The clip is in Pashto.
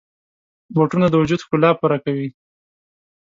بوټونه د وجود ښکلا پوره کوي.